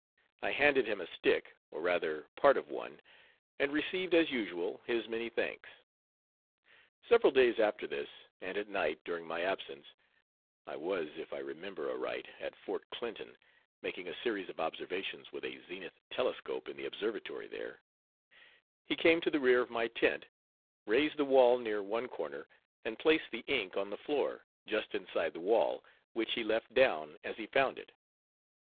I handed him a stick, or rather part of one, and received as usual his many thanks. Several days after this, and at night, during my absence I was, if I remember aright, at Fort Clinton making a series of observations with a zenith telescope in the observatory there he came to the rear of my tent, raised the wall near one corner, and placed the ink on the floor, just inside the wall, which he left down as he found it.